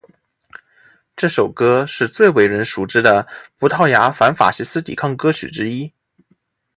这首歌是最为人熟知的葡萄牙反法西斯抵抗歌曲之一。